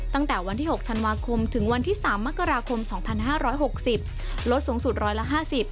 ตั้งแต่วันที่๖ธันวาคมถึงวันที่๓มกราคม๒๕๖๐ลดสูงสุดร้อยละ๕๐